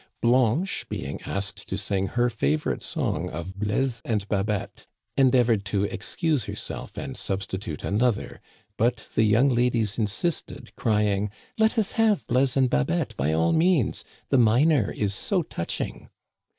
Blanche, being asked to sing her favorite song of Blaise and Babette, endeavored to excuse herself and substitute another ; but the young ladies insisted, cry ing :" Let us have Blaise and Babette by all means ; the minor is so touching."